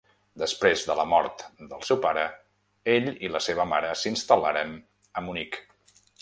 Després de la mort del seu pare, ell i la seva mare s'instal·laren a Munic.